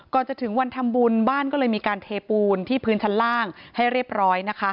ก่อนจะถึงวันทำบุญบ้านก็เลยมีการเทปูนที่พื้นชั้นล่างให้เรียบร้อยนะคะ